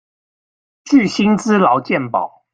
具薪資勞健保